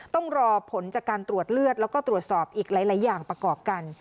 ต้องรอผลจากการตรวจเลือดแล้วก็ตรวจสอบอีกหลายอย่างประกอบกัน